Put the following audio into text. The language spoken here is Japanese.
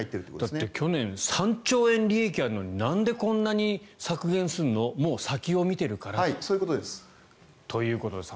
だって去年３兆円も利益があるのになんでこんなに削減すんのもう先を見てるからということです。